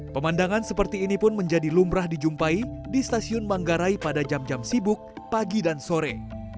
pemandangan seperti ini pun menjadi lumrah dijumpai di stasiun manggarai pada jam jam sibuk pagi dan sore